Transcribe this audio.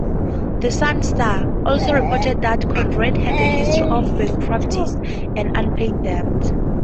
The "Sun-Star" also reported that Condren had a history of bankruptcies and unpaid debts.